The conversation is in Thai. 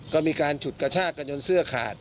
ก็มีการฉุดกระชากกันจนเสื้อขาด